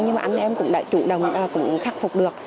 nhưng mà anh em cũng đã chủ động cũng khắc phục được